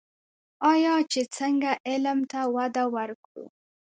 آیا چې څنګه علم ته وده ورکړو؟